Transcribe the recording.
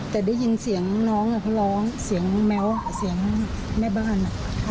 แต่ได้ยินเสียงน้องเขาร้องเสียงแม้วเสียงแม่บ้าน